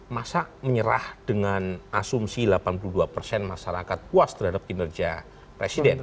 masa menyerah dengan asumsi delapan puluh dua persen masyarakat puas terhadap kinerja presiden